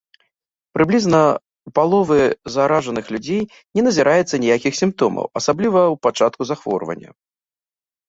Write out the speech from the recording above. Прыблізна ў паловы заражаных людзей не назіраецца ніякіх сімптомаў, асабліва ў пачатку захворвання.